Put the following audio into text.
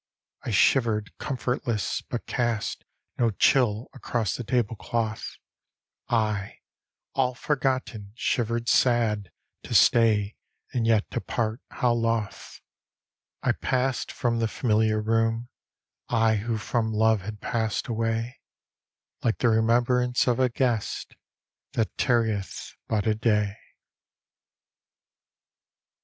I shivered comfortless, but cast No chill across the tablecloth; I, all forgotten, shivered, sad To suy and yet to part how loth : D,gt,, erihyGOOgle The Return I passed from the familiar room, I whom from love had passed away, Like the remembrance of a guest That tarrieth but a day.